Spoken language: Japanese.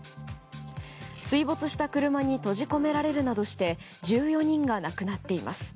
水没した車に閉じ込められるなどして１４人が亡くなっています。